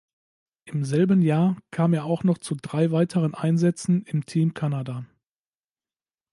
Im selben Jahr kam er auch noch zu drei weiteren Einsätzen im Team Canada.